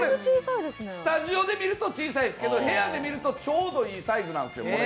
スタジオで見ると小さいですけど部屋で見るとちょうどいいサイズなんですよ。